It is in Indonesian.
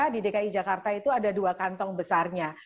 di dki jakarta itu ada dua kantong besarnya